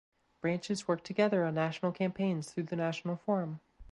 Branches work together on national campaigns through the national forum.